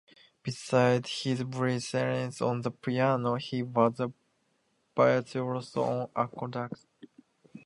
Besides his brilliance on the piano, he was a virtuoso on accordion.